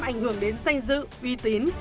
ảnh hưởng đến danh dự uy tín